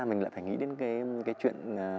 mình lại phải nghĩ đến cái chuyện